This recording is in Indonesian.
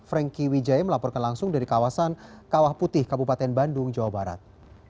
franky wijaya melaporkan langsung dari kawasan kawah putih kabupaten bandung jawa barat